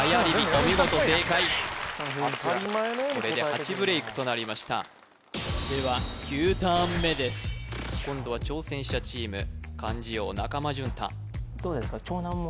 お見事正解これで８ブレイクとなりましたでは９ターン目です今度は挑戦者チーム漢字王中間淳太